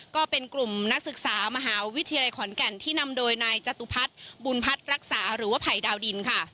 ก็เป็นกลุ่มนักศึกษามหาวิทยาลัยขอนแก่นที่นำโดยนายจตุพัฒน์บุญพัฒน์รักษาหรือว่าภัยดาวดินค่ะ